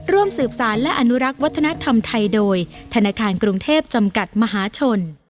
ร่วมสืบสารและอนุรักษ์วัฒนธรรมไทยโดยธนาคารกรุงเทพจำกัดมหาชน